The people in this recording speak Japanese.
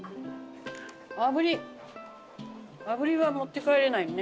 炙り炙りは持って帰れないね。